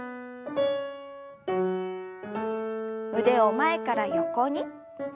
腕を前から横に。